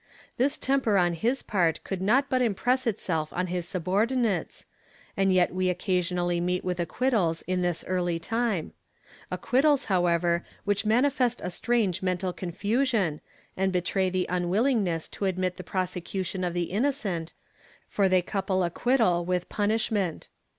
This temper on his part could not but impress itself on his subordinates, and yet we occasionally meet with acquittals in this early time — acquittals, however, which manifest a strange mental confusion, and betray the unwillingness to admit the prosecution of the inno cent, for they couple acquittal with punishment.